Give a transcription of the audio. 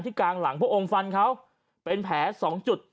ที่กลางหลังพวกโอมฟันเขาเป็นแผล๒จุด